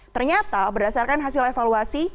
ternyata berdasarkan hasil evaluasi